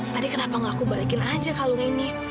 tadi kenapa gak aku balikin aja kalung ini